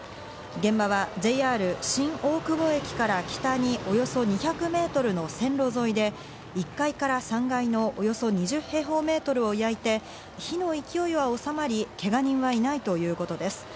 現場はＪＲ新大久保駅から北におよそ２００メートルの線路沿いで、１階から３階のおよそ２０平方メートルを焼いて火の勢いは収まり、けが人はいないということです。